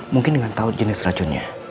mungkin dengan tahu jenis racunnya